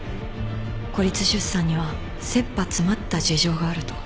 孤立出産には切羽詰まった事情があると。